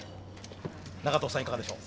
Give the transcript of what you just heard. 長藤さんいかがでしょう？